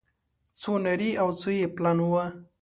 څو نري او څو يې پلن وه